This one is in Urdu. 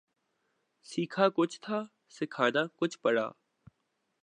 سیکھا کچھ تھا سکھانا کچھ پڑا